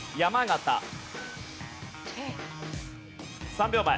３秒前。